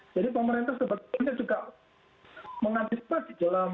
jadi pemerintah sebetulnya juga mengadilkan dalam